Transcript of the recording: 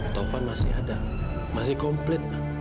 tofan masih ada masih komplit ma